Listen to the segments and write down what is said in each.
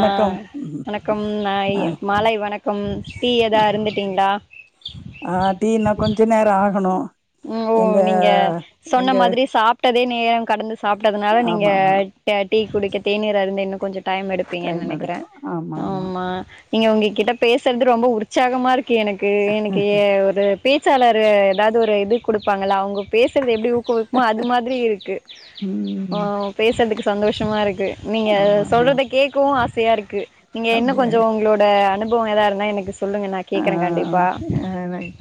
ஆ ம் வணக்கம் நா இ ஆ மாலை வணக்கம் டீ ஏதா அருந்துட்டீங்களா ஆ டீ இன்னு கொஞ்ச நேரோ ஆகணு ம் ஓ எங்க நீங்க சொன்ன எங்க மாதிரி சாப்டத் தே நேரங் கடந்து சாப்டதுனால நீங்க ஆமா ஆமா ட டீ குடிக்க தேநீரருந்த இன்னு கொஞ்சோ டைம் எடுப்பீங்கன்னு நெனைக்கிறே ஆமா நீங்க உங்க கிட்டப் பேசுறது ரொம்ப உற்சாகமாருக் கே எனக்கு இன்னிக்கு ஏ ஒரு பேச்சாளரு ஏதாவ்து ஒரு இது குடுப்பாங்கல அவுங் பேசுறது எப்டி ஊக்குவிக்குமோ அது மாதிரி இருக்கு ஆ ம் பேசுறதுக் சந்தோஷ் கஷ்டமா இருக்கு நீங்க ஆமா ஆமா சொல்றத கேட்கவு ஆசையா இருக்கு நீங்க என்ன அப்டியா கொஞ்சோ உங்களோட அனு ப்போ எதா இருந்தா எனக்கு சொல்லுங்க நா ஆ கேக்குற கண்டிப்பா எனக்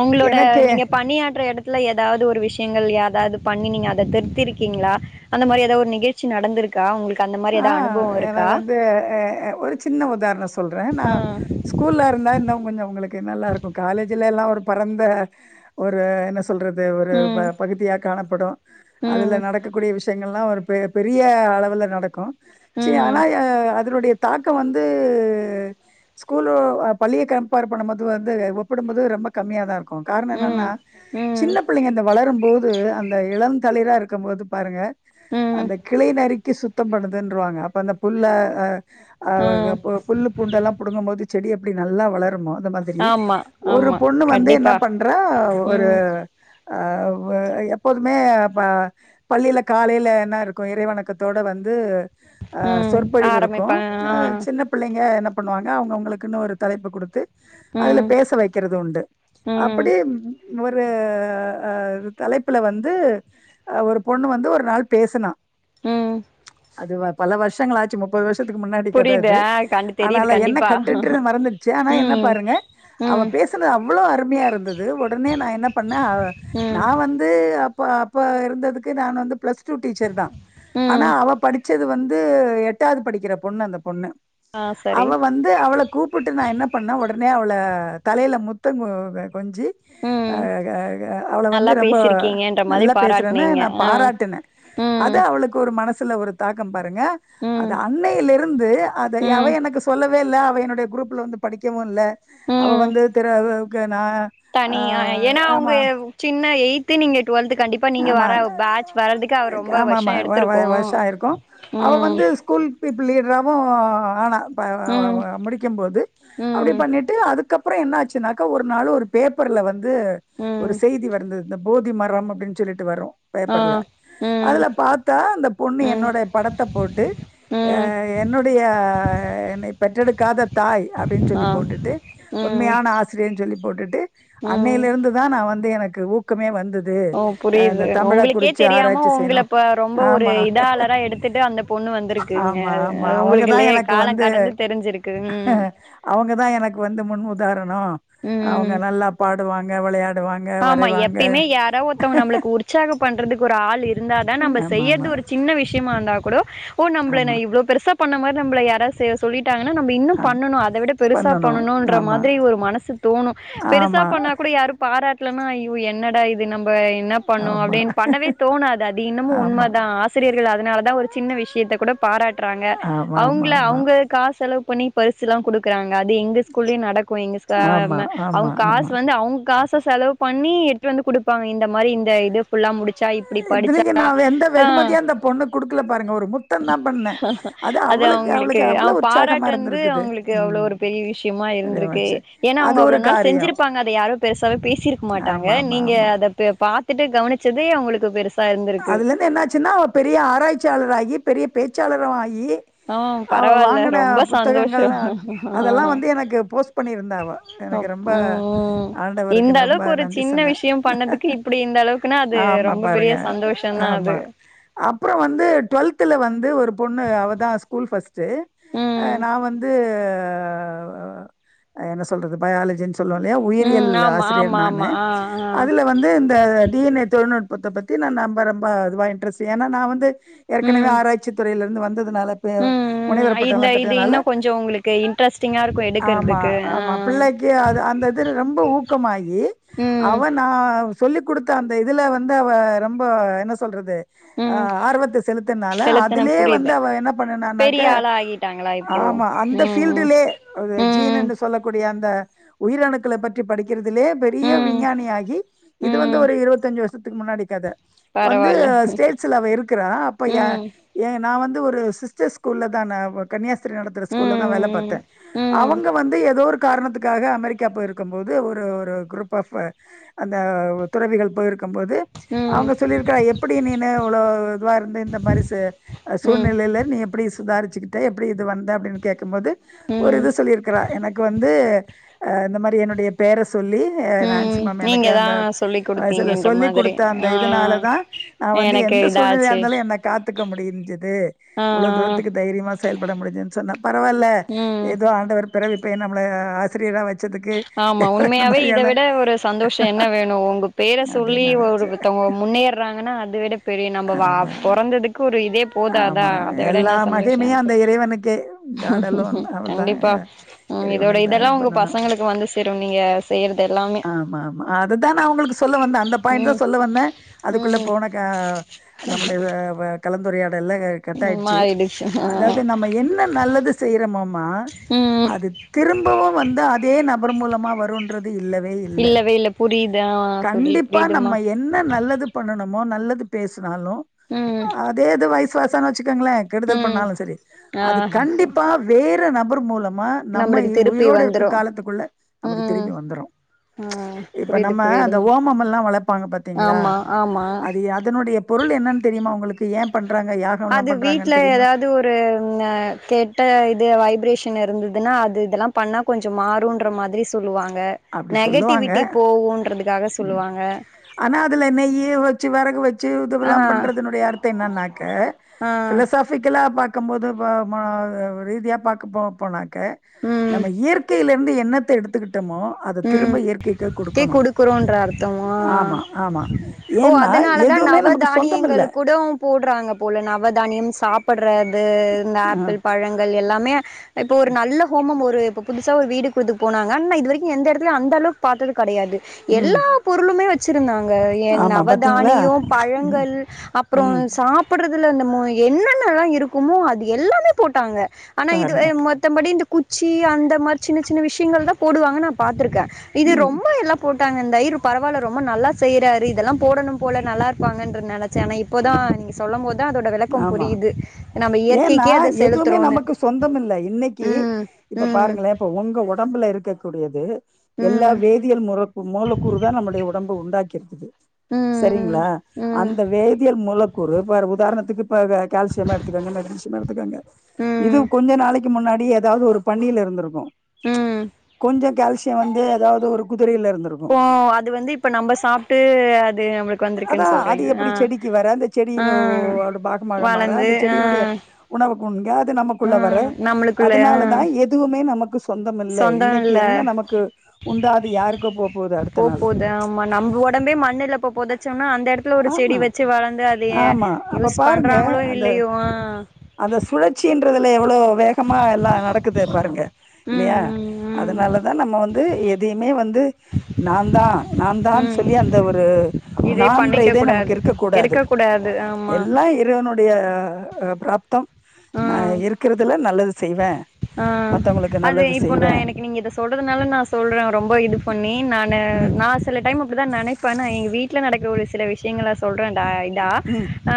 உங்களோட எனக்கு நீங்க பணியாற்றற ஏடத்துல எதாவது ஒரு விஷ் விஷ்யங்கள் எதாவது பண்ணி நீங்க அத திருத்திருக்கீங்களா அந்த மாதிரி எதாவ ஒரு நிகழ்ச்சி நடந்திரு ஆஹ் எனக்கு வந்து எ ஒரு சின்ன உதாரணோ சொல்ற நா ஆ. ஸ்கூல்ல இருந்த இந்த இன்னு கொஞ்சோ உங்களுக்கு க்கு நல்லா இருக்கு காலேஜ்ல எல்லா ஒரு பரந்த ஒரு என்ன சொ ல்றது ஒரு ம். பகுதியா காணப்படு அதுல ம். நடக்கக்கூடிய விஷ் யங்கள்ல்லா ஒரு பெரிய அளவில நடக்கு செரி ம். ஆனா அதனுடைய தாக்கோ வந்து ஸ்கூல் பள்ளிய கம்பேர் பண்ணும்போது வந்து ஒப்பிடும்போது ரொம்ப கம்மியாதா இருக்கு காரணோ ம். என்னன்னா ம். சின்ன பிள்ளைங்க இந்த வளரும் போது அந்த இளம் தளிரா இருக்கும்போது பாருங்க ம். அந்த கிளை நரி கி சுத் தம் பண்ணுதுன்றுவாங்க அப்ப அந்த புள்ள அ ம். புல்லு பூண்டெல்லாம் புடுங்கும்போது செடி அப்படி நல்லா வளரும்போ இந்த மாதிரி ஆமா, ஒரு ஆமா. பொண்ணு வந்து என்ன கண்டிப்பா. பண்றா ஒரு ம். ஆஹ் எப்போதுமே பள்ளியில காலைல என்ன இருக்கு இறைவணக்கத்தோட வந்து இது ஆஹ் ம். சொற்பொழிவு இருக்கு ஆரம்பிப்பாங்க. ஆ. சின்ன பிள்ளைங்க என்ன பண்ணுவாங்க அவுங்க அவுங்களுக்குன்னு ஒரு தலைப்பு குடுத்து அதுல ம். பேச வெக்கிறது உண்டு ம். அப்படி ப் அ தலைப்புல வந்து ஒரு பொண்ணு வந்து ஒரு நாள் பேசினா உம் அது பல வருஷங்களாச்சு முப்பது வருஷ் துக்கு முன்னாடி கத புரியுது. இது ஆ கண்டு தெரியுது ஆனால என்ன கண்டிப்பா. கன்டன்டுனு மறந்துருசு ஆனா என்ன ம். பாருங்க அவ ம். பேசுனது அவ்ளோ அருமையா இருந்தது உடனே ந என்ன பண்ண ம். நா வந்து ப்ப அப்ப இருந்ததுக்கு நான் வந்து பிளஸ் டூ டீச்சர் தான் ஆனா ம். அவ படிச் ச்சது வந்து எட்டாது படிக்கிற பொண்ணு அந்த பொண்ணு ஆ சரி. அவ வந்து அவள கூப்புட்டு நான் என்ன பண்ண உடனே ன்னே அவள தலையில முத்தங் கொ கொஞ்சி ம். க க அவள நல்லா வந்து ரொம்ப பேசிருக்கீங்கன்ற மாரி நல்லா பேசுறேன்னு பாராட்னீங்க நான் ஆ பாராட்டுன ம் அது அவளுக் மனசுல ஒரு தாக்கம் பாருங்க ம் அது அன்னைல் இருந்து அதைய அவ ம் எனக்கு சொல்ல வே இல்ல அவ என்னுடைய குரூப்ல வந்து படிக்கவு இல்ல அவ வந்து திர தனியா ஏன்னா அவங்க சின்ன எஜ் தினீங்க ஆமா அவர் ரொம்ப ஆமா ஆமா வருஷோ வரு எடுத்திருக்கு வரு வருஷா அயிருக்கும் அவ ம் வந்து ஸ்கூல் பீப்புள் லீட்ரா வூ ஆனா ம் [unintelligible] முடிக்கும் போது அப்டி ம் பண்ணிட்டு அதுக்கப் அப்புறம் என்ன ஆச்சுனாக்கா ஒரு நாள் ஒரு பேப்பர்ல வந்து ந்து ஒரு ம் செய்தி வர்ந்தது போதி மரம் அப்டின் சொல்லிட்டு வரு ஆ பேப்பர்ல ம் அதுல பாத்தா அந்த பொண்ணு ம் என்னோட படத்த போட்டு அ ம் என்னுடைய என்னை பெற்றெடுக்காத தாய் அப்டின்னு சொல்லி ஆ போட்டுட்டு ம் உண்மையான ஆசிரியைன்னு சொல்லி போட்டுட்டு ம் அன்னையில இருந்து தான் நான் வந்து எனக்கு க்கு ஊக்கமே வந்தது ஓ து புரியுது உங்களுக்கே தெரியாம உங்களைப் ப ரொம்ப ஒரு ஆமா இதாளரா எடுத்துட்டு அந்த பொண்ணு வந்திருக்குங்க ஆமா ஆமா உங்களுக்கு அவங்கதா லே எனக்கு கால வந்து கடந்து தெரிஞ்சிருக்கு ம் னோ அவங்க ம் நல்லா பாடுவாங்க விளையாட ஆமா எப்பயுமே யாராவ் ஒருத்தவங்க நம்மளுக்கு உற் உற்சாகம் பண்றதுக்கு ஒரு ஆள் இ இருந்தா தான் நம்ம ஆமா செய்யற்து ஆமா ஒரு சின்ன விஷ்யமா இருந்தா கூட ஓ நம்மள ந ஆமா இவ்ளோ பெருசா பண்ண மாரி நம்பள யாரா செ சொல்லிட் டாங்கன நம்ம இன்னு ஆமா பண்ணணு அதை விட பெருசா பண்ணணு ன்ற மாதிரி ஒரு மனசு தோணு பெருசா ஆமா பண்ண கூட யாரு பாராட் ஐயோ என்னடா இது நம் என்ன பண்ணு ஆமா அப்படின்னு பண்ணவே தோணாது அது இன்னமு உண்மை ஆமா தா ஆசிரியர்கள்து அதனால தா ஒரு சின்ன விஷயத்தை கூட பாராட்ட ட்ராங்க ஆமா ஆமா ஆமா அவங்கள ஆமா அவங்க காசலவுக்கு பண்ணி பச எல்லா கொடு க்கறாங்க அது எங்க ஸ்கூல்லயு நடக்கு எங்க சா ஆமா, ம் ஆமா, அவங்க காச ஆமா. வந்து அவங்க காச செலவுக் பண்ணி எட்டு வந்து கொடுப்பாங்க இந்த மாரி இந்த இது ஃபுல்லா முடி ச்சா இப்படி இத்தனைக்கு படிச்சா நான் எந்த ஆஹ் வெகுமதியும் அந்த பொண்ணுக்கு குடுக்கல பாருங்க. ஒரு முத்தம் தான் பண்ணேன். அது அவளுக்கு அவங்களுக்கு அவளுக்கு அவ அவ்ளோ உற்சாகமா பாராட்டது இருந்திருக்குது. அவங்களுக்கு ம். அவ்வளவு ஒரு பெரிய விஷயமா இருந்திருக்கு சரியாச்சு. ஏன்னா அது அவங்க ஒரு அவ்ளவு நாள் காரியம். செஞ்சிருப்பாங்க அத யாரு பெருசாவே பேசிரு மாட்டாங்க ஆமா, ஆமா, நீங்க ஆமா. அத பாாரத்துட்டு கவனிச்சதே அவங்களுக்கு பெருசு அதுல இருந்து என்னாச்சுன்னா பெரிய ஆராய்ச்சியாளர் ஆகி பெரிய பேச்சாளர ஆகி ஆஹ் அவ பரவாயில்ல வாங்கின ரொம்ப சந்தோஷோ புத்தகங்கள் அதெல்லாம் ஆஹ் வந்து எனக்கு போஸ்ட் பண்ணியிருந்தா அவ. அ எனக்கு ரொம்ப உம் ஆண்டவருக்கு இந்த ரொம்ப அளவுக்கு ஒரு நன்றி சின்ன சொன்னேன். விஷயம் பண்ணதுக்கு இப்படி இந்த அளவுக்குன்னா அது ஆமா ரொம்ப பெரிய பாருங்க. சந்தோஷ ஆமா அப்ரோ வந்து டுவெல்த் துல வந்து ஒரு பொண்ணு அவதா ஃஸ்கூல் பஸ்ட் ட்டு ம் நா வந்து ஆஹ் ஆஹ் என்ன சொல்றது பயாலஜன்ஸ் சொல்ல இல்லையா உயிரியல் ம் ஆமா ஆசிரியர் ஆமா ஆமா நானு ஆ ஆ அதுல வந்து இந்த டி என்ன் ஏ தொழநுற் ப பத்தி நான ம்ப ரொம்ப அதுவ இன்ட்ரஸ்ட் ஏனா நா வந்து ஏற்கனவே ம் ஆர்ச்சி துறையில வ வந்து ரதுனால பே அவ ம் ம் இந்த இது முனைவரப்பட்டாம்னால இன்னு கொஞ்சோ உங்களுக்கு இன்ட்ரெஸ்ட்டிங்கா இருக்கு ஆமா எடுக்கறதுக்கு ஆ ஆமா பிள்ளைக்கு அந்த ரொம்ப ஊக்கமாகி ம் அவ சொல்லி் கொடுத்த அந்த இதுல வந்து அவ ரொம்ப ம்ப என்ன சொல்றது ம் ஆர்வத்த செலுத்துனால செலுத்துன அதுலயே வந்து புரியுது அவ என்ன பண்ணனனாக்க பெரிய ஆளா ஆகிட்டாங்களா இப்போ ஆமா அந்த ம் பபீல்டலே ம் ஜீனுனு சொல்லக்கூடிய அந்த த உயிரணுக்களப் பற்றி படிக்க குறதுலே ம் பெரிய ம் விஞ்ஞானி ஆகி இது வந்து ம் ஒரு இருபத்திஞ்சு வ த்துக்கு முன்னாடிக்கத வந்து பரவால்ல ஸ்டேட்ஸ்ல அவ இருக்குற அப்ப எ ம் எ நா வந்து ஒரு சிஸ்டர் ஸ்கூல்ல தான் கன்னியாச த்துற ஸ்கூல்ல தா வேல ம் பார்த்த ம் அவங்க வந்து ஏதோ ஒரு காரணத்துக்காக அமெரிக்கா போயிருக்கும் போது ஒரு ஒரு குரூப் ஆஃப் அந்த துறவிகள் போயிருக்க என்பது ம் அவங்க சொல்லியிருக்கிறா எப்புடி நீனு இ்வளோ இதுவாக இருந்த இந்த மாரி சூழ் ம் சூழ்நிலைல நீ எப்படி சுதாரிச். இது கிட்ட எப்டி இது வந்த அப்டின்னு கேக்கும்போது. ஒரு ம் இது சொல்லியிருக்கிறா எனக்கு வந்து.. அ இந்த மாரி என்னுடைய பேரஸ். சொல்லி நான் ம் சிமம், எனக்கு நீங்க தா அந்த சொல்லி் வயசல குடுத்தீங்கன்ற சொல்லி மாதிரி கொடுத்த அந்.. ஆ இதனாலதா நா வந்து எனக்கு எந்த சூழ்நிலையா இதாச்சு இருந்தாலும் என்ன காத்துக்க முடிஞ்சது, ஆ இவ்வளவு ஆ தூரத்துக்கு தைரியமா செயல்பட முடிஞ்சதுன் சொன்ன பரவாயில்ல ம் ஏதோ ஆண்டவர். பிறவு இப்ப என்ன நம்ம ஆசிரியரா வச். ஆமா உண்மையாவே இத விட ஒரு சந்தோஷம் என்ன வேணும், உங்க பேரை சொல்லி அப்டின்னு நெனச்சே ஒருத்தவங்க. முன்னேறாங்கன்னா அது விட. பெரிய நம்ம வா ஆமா பொறந்ததுக்கு ஒரு இதே போதாதா ஆமா அதை விட எல்லா என்ன சந்தோஷம் மகிமையு இருக்கு அந்த இறைவனுக்கே காட் அலோன் அவள்தான் கண்டிப்பா இதோட இறைவனுக்கு தான் இதெல்லாம் இது ஒங்க பண்ணணு பசங். ஆமா ஆமா அததா நா உங்களுக்கு சொல்ல வந்தே, அந்த பாயிண்ட் தா ம் சொல்ல வந்தே அதுக்குள்ள ம் போனக்கா.. நம்ள்ட எத வ. கலந்துரையாட். இப்ப எல்லா ம் கட்டாயிடுச்சு மாறிடுச்சு ஆ அதாவது நம்ம என்ன நல்லது செய்யறோமோமா, ம் அது திரும்பவும் வந்து அதே நம். [unintelligible] மூலமா வருன்றது. இல்லவே இல்ல இல்லவே புரியுது ஆ சொல்லி கண்டிப்பா நம்ம புரியுதுமா என்ன நல்லது பண்ணணும். ஒ நல்லதுக். பேசு. நாலும் ம் அதேது வயஸ்.. [unintelligible] வச்சுக்கோங்களே கெடுதல் ம் பண்ணாலும் சரி, அது ஆ கண்டிப்பா வேர். நபர் மூலம். ம நம்ம நம்மளுக்கு இ திருப்பி உயிரோடு வந்துரு இருக்கும் காலத்துக்குள்ள, நமக்கு ம் திரும்பி வந்துரும் ஆ ச் இப்ப புரியுது நம்ம அந்த புரியுதுமா ஓமம் எல்லாம் வளர்ப்பாங்க பாத்தீங்களா ஆமா ஆமா அது யா.. இதன்னுடைய பொருள் என்னானு தெரியுமா உங்களுக்கு. ஏ பண்.. அது வீட்ல ஏதாவது ஒரு ம் கெட்ட இது வைப்ரேஷன் இருந்தது. இதுனா அது இதெல்லாம் பண்ணா கொஞ்சம் மாறுன்ற மாதிரி சொல்லுவாங்க. அப்டி சொல்லுவாங்க நெகட்டிவிட்டி போகுன்றதுக்காக உம் சொல்லுவாங்க ஆனா அதுல நெய்யு வச்சு விறகு வச்.. சி ஆ இதுவெல்லாம் பண்றதுனுடைய அர்த்தம் என்னன்னாக்க ஆ பிலோசாபிக்கலா பார்த்.. இக்கும் போது வா மா அ ரீதியா பார்க்க போ போனாங். க ம் நம்ம இயற்கையில ந்து என்னத்த எடுத்துக்கிட்டோமோ அத ம் திரும்ப இயற்கைக்கு கே குடுக்கணு குடுக்குறோன்ற அர்த்தோ ஆ ஆமா ஆமா ஓ ஏன்னா அதனாலதா எதுவுமே நவ நமக்கு சொந்தம் தானியங்கள் இல்ல கூடோ போடுறாங்க போல நவவதானியம் சாப்பட் ப்றது இந்த ஆப்பிள் ம் பழங்கள் எல்லாமே இப்போ ஒரு நல்ல ஹோமம் ஒர் ரு இப்ப புதுசா ஒரு வீடுகுதுக் போனாங்க நா இதுவரீக் எந்தெடத்துல அந்தளவுக் பாத்ததுக் கெடையாது ம் எல்லா பொருளுமே வச்சிருந்தாங்க எ ஆமா பாத்தீங்களா நவதானியோ ம் பழங்கள் அப்றோ ம் சாப்புட்றத் துல நம்மோ என்னன்னல்லா இருக்குமோ அது எல்லாமே போட்டாங்க ஆனா இது எ பாருங்க மொத்தம்படி இந்த குச்சி அந்த மாத் சின்ன சின்ன விஷ்யங்கள் தா போடுவாங்க நாப் பாத்துருக்கே இது ம் ரொம்ப எல்லா போட் டாங்க இந்த அய்யிரு பரவால ரொம்ப நல்லா செய்றாரு இதல்லா போடணும்போல நல்லா இருப்பாங்கன்றதுன் நென சாங்க இப்போதா நீங்க சொல்லம்போத் தா அதோட வெளக்கோ ஆமா புரியுது நம்ம ஏன்னா இயற்கைக்கே அதை எதூமே செலுத்துறோம்னு நமக்கு சொந்தமில்ல இன்னைக்கு ம் இப்ப ம் பாருங்ளே இப்ப உங்க ஒடம்புலருக்க கூடியது எல்லா ம் வேதியல் முலக் மூலக்கூறு தா நம்முடைய ஒடம்ப உண்டாக்கிருக்குது ம் சரிங்ளா ம் அந்த வேதியல் மூலக் கூறு பாரு உதாரணத்துக்கு இப்ப அந்த கேல் கிற [unintelligible] மிஷின் எடுத்துக்கோங்க இது ம் கொஞ்ச நாளைக் கி முன்னாடி ஏதாவ்து ஒரு பணில இருந்திருக்கூ ம் கொஞ்ச கேல்ஸ் டு வந்து ஏதாவது ஒரு குத் போ அது வந்து இப்ப நம்ம சாப்ட்டு அது அதா வந்திருக்குன்னு அது சொல்றீங்க ஆ எப்டி செடிக்கு வர அந்த ஆ செடியில ஒரு பாகமாக மாற வளர்ந்து அந்த ஆ செடியினுடைய உணவுப் [unintelligible] து ஆ நமக்குள்ள வர நம்மளுக்குள்ள ஆ அத்னால தா எதூமே நமக்கு சொந்தம் இல்ல சொந்தம் இன்னைக்கு இல்ல என்ன நமக்கு உண்டாது யாருக்கோ போ போது அடுத்த போ நாள் போ பொதச்சோன்னா அந் த எடத்துல ஒரு செடி ஆமா வச்சு வளந்து அது ஏ ஆமா அப்ப யூஸ் பாருங்க பண்றாங்ளோ அந்த இல்லையோ ஆ க்றதுல எவ்ளோ வேகமா எல்லா நடக்குது பாருங்க ம் இல்லையா ம் அதனாலதா நம்ம வந்து எதையுமே வந்து நா தா நா ம் தான்னு ம் சொல்லி அந்த ஒரு இதே நான்றே பண்ணிக்க தே நமக்கு கூடாது இருக்கக் கூடாது இருக்க கூடாது ஆமா எல்லா இறைவனுடைய பிராப்தம் நா இருக்கருதுல நல்லது செய்வே ஆஹ் மத்தவங்களுக்கு அது நல்லது இப்போ நா செய்வே எனக்கு நீங்க இத சொல்றதுனால நா சொல்றே ரொம்ப இது பண்ணி நா ந ம் நா சில டைம் அப்புடி தா நெனைப்பனை எங்க வீட்ல நடக்கூடிய சில விஷயங்கள சொல்றேன்டை டா ம் அ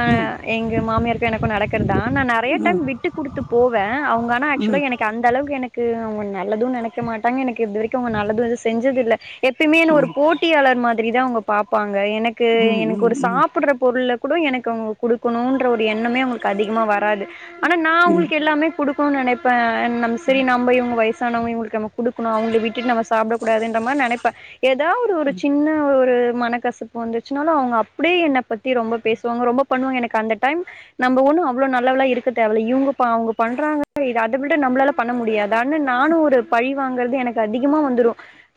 எங்க மாமியார் எனக்கு நடக்கறதா அனா நா நறைய டைம் ம் விட்டுக் குடுத்து போவே அவுங்கானா ஆக்சுவலா ம் எனக்கு அந்தளவுக்கு எனக்கு இங்கு அவுங்க நல்லதும் நெனைக்க மாட்டாங்க எனக்கு இது வரைக்கு அவுங்க நல்லதும் இது செஞ்சதில்ல எப்பய்மே ம் ஒரு போட்டியாளர் மாத் ரிதா அவுங்க பாப்பாங்க எனக்கு ம் எனக்கு ம் ஒரு ம் சாப்புட்ர்ற பொருள்ல கூட எனக்கு அவுங்க குடுக்கணுன்ற ஒரு எண்ணமே அவுங்களுக்கு அதிகமாக வராது ஆனா நா ம் அவுங்களுக்கு எல்லாமே குடுக் போ நெனைப் ப்பதனால நம் செரி நம்ப இவுங்க வயசு சானவங்களுக்கு நம்மோ குடுக்கணு அவுங்க விட் டுட்டு நம்ம சாப்புடக்கூடாது என்ற மாதிரி நெனைப்பே ஏதாவது ஒரு சின்ன ஒரு இங்கு மனக்கசுப்பு வந்துச்சுனால அவுங்க அப்டியே என்னப்பத்தி ரொம்ப பேசுவாங்க ரொம்ப பண்ணுவாங்க எனக்கு அந்த டைம் நம்ம ஒண்ணு அவ்ளோ நல்லவலா இருக்க தேவல்ல இவுங்க பாவோ பண்றாங்கன் [inaudible] [unintelligible] [unintelligible] நம்மளால பண்ண முடியாது ஆன நானு ஒரு பழிவாங்கறத் தத்து எனக்கு அதிகமா வந்துரு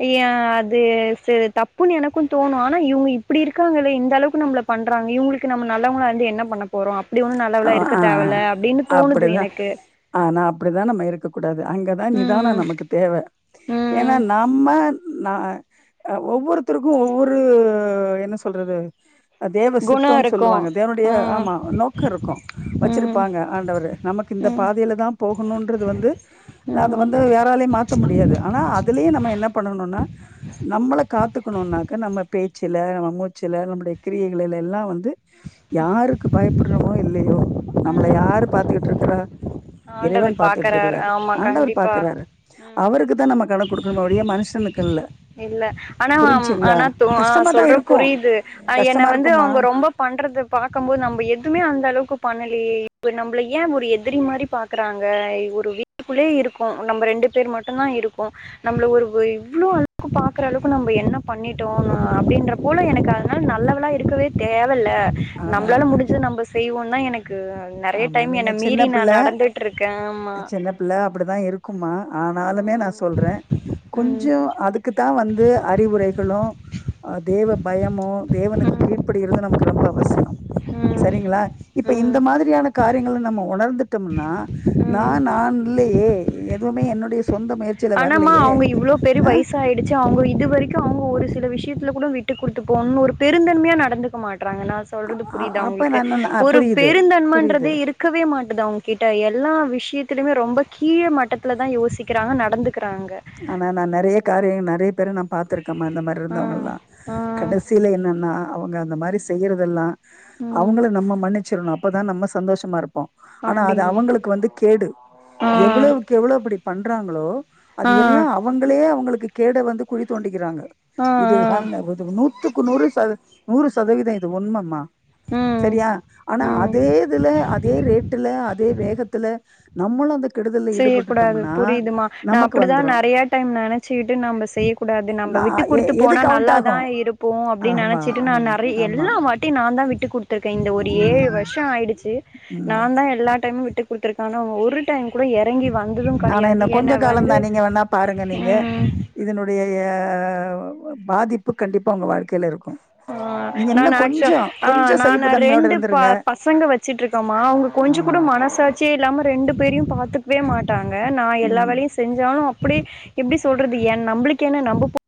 எ அ அது செர் தப்புன்னு எனக்கு தோணு ஆனா இவுங்க இப்புடி இருக்காளே இந்த அளவுக்கு நம்மள பண்றாங்க இவுங்குளுக் இவங்களுக்கு கு நம்ம நல்லவங்களா இருந்து என்ன பண்ணப்போறோ அப் அப்டி ஒன்னு ஆ நல்லவல்லா இருக்க ஆ தேவல்ல அப்டின் தோணுது எனக்கு அப்படிதா நம்ம இருக்கக்க கூடாது அங்கதா நிதானோ ம் நமக்கு தேவ ஏன்னா ம் நம்ம நா ஒவ்வொருத்தருக்கு ஒவ்வொரு என்ன சொல்றது அஹ் தேவ குணோ சித்தோன் இருக்கு சொல்லுவாங்க தேவனுடைய ஆ ஆமா நோக் ருக்கு ம் வச்சிருப்பாங்க ஆண்டவரு நமக்கு இந்த ம் ம் பாதயில தா போகணுன்றது வந்து அது ம் வந்து யாராலயு மாத்த முடியாது ஆனா அதுலயே நம்ம என்ன பண்ணணுனா நம்மளக் காத்துக்கணுன்னாக்க நம்ம பேச்சுல நம் மூச்சுல நம்முடைய கிரியைகள்ல எல்லா வந்து யாருக்கு பயப் இல்லையோ நம்மள யாரு பாத்துக்கிட்டு இருக்கிறா இறைவன் ஆண்டவர் பாக்குறாரு பாத்துட்ருக்கிறாரு ஆமா ஆண்டவர் கண்டிப்பா பாக்கிறாரு ம் அவருக்கு தா நம்ம கணக் குடுக்கணுமே ஒழிய மனுஷனுக் இல்ல ஆனா அம் ஆனா தோ ஆஹ் கஷ்டமா தான் சொல்ற இருக்கும் புரியிது அஹ் என்ன கஷ்டமா வந்து இருக்குமா அவ்ங்க ரொம்பப் பண்றதப் பாக்கம்போது நம்ப எத் டுமே அந்த அளவுக்கு பண்ணலயே இப்ப நம்பள ஏ ஒரு எதிரி மாரி பாக்குறாங்க இவ் ஒரு வீட்டுக்குள்ளே இருக்கோ நம்ப ரெண்டு பேரு மட்டுந்தா இருக்கோ நம்பள ஒரு வு இவ்ளோ அழுத்த கு பாக்குற அளவுக்கு நம்ப என்ன பண்ணிட்டோ அப்பிடின்ற போல எனக்கு அதனால நல்லவளா இருக்கவே தேவ இல்ல ஆனா நம்பளால முடிஞ்சது நம்ப செய்வோ ந்தா எனக்கு நெறைய ஆமா டைம் நீங்க என்ன சின்ன மீறி பிள்ள நான் நடந்துட்டு இருக்கேன். ஆமா. அ செல்ல பிள்ள அப்டிதா இருக்கும்மா ஆனாலுமே நா ம். சொல்றே ம். கொஞ்சோ அதுக் க்குத்தா வந்து அறிவுரைகளு அஹ் தேவ பயமு தேவனுக்கு கீழ்ப்படிகிறது நமக்கு ரெம்ப அவசிய ம். ம். சரிங்ளா இப்ப இந்த ம். மாதிரி ரியான காரியங்களு நம்ம ஒணர்ந்துட்டம்னா நா ம். நான் இல்லயே எ இதுவுமே என்னுடைய சு ஆனாம்மா அவ்ங்க இவளோ பேரு வயசாயிடுச்சு அவ்ங்க இது வரைக்கு அவ்ங்க ஒரு சில விஷ்யத் த்தில கூட விட்டு குடுத்து போனுன்னு ஒரு பெருந்தன்மையா நடந்துக்க மாட் ட்றாங்க நா அ சொல்றது அ புரிய்தா அப்ப நா ஒங்களுக்கு நா ஒரு புரியுது புரியுது பெருந்தன்மன்றதே இருக்கவே மாட்டுது அவ்ங்கக்கிட்ட எல்லா விஷ்யத்திலைமே ரொம்பக் கீழ மட்டத்துல தா யோசிக்கிறாங்க நட் ஆனா நா நெறைய காரியங் நெறைய பேர நா பாத்துருக்கம்மா இந்த மாரி ஆ இருந்தவ்ங்கல்லா ஆ கடைசில என்னன்னா அவங்க அந்த மாரி செய்யிறதெல்லா ம் அவ்ங்கள நம்ம மன்னிச் ச்சிற்ணு அப்பதா நம்ம சந்தோஷமா இருப்போ ஆனா அது அப்டிங்க அவங்களுக்கு வந்து கேடு ஆ எவ்ளவுக்கு எவ்ளோ அப்டி பண் பறாங்களோ அது ஆ எல்லாம் அவங்களே அவங்களுக்கு கேடை வந்து குழி தோண்டகிறாங்க ஆ ஆ இது க நூத்தி த்துக்கு நூறு ச நூறு சதவீதம் இது உண்மைமா ம் சரியா ஆனா ம் அதே இதுல அதே ரேட்டுல அதே வேகத்துல நம்மளும் அந்த கெடுதல்ல ஈடுபட்டுட்டம்னா நமக் அப்படிதா நெறைய டைம் நெனச்சிக்கிட்டு நம்ம செய்யக்கூடாது நம்ம நா விட்டு எ குடுத்து எது போனா கவுண்ட் நல்லா தா ஆகும் இருப்போ அப்டின்னு ஆமா நெனைச்சிட்டு நா ஆமா நெறைய ஆமா எல்லா வாட்டி நா தா விட்டு குடுத்துருக்கே இந்த ஒரு ம் ஏழு ம் வருஷ்ம் ஆயிடுச்சி நா ம் தா எல்லாத் டைம் விட்டு குடுத்துருக்காங்க அவுங்க ஒரு டைம் கூட எறங்கி வந்தது ஆனா கெடையாது இன்ன கொஞ்ச என்ன கால வந்து தா நீங்க வேணா பாருங்க நீங்க ம் இதனுடைய ஆ பாதிப்பு கண்டிப்பா உங்க வாழ்க்கையில இருக்கு ஆ நா ஆக்சுவ ஆ கொஞ்சோ சகிப்பு நானா தன்மையோட ரெண்டு ப இருந்துருங்க பசங்க வச்சுட்டு இருக்கோமா அவுங்க கொஞ்ச ஆமா கூட மனசாட்சியே இல்லாம ரெண்டு பேரையு பாத்துக்கவே மாட் க நா எல்லா ம் வேலையு செஞ்சாலு அப்படி எப்டி சொல்றது ஏ நம்பளுக்கு என்ன நம்ப